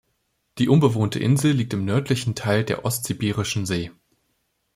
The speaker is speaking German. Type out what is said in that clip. Die unbewohnte Insel liegt im nördlichen Teil der Ostsibirischen See.